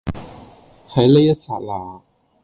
喺呢一剎那